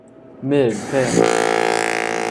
Mais elle perd...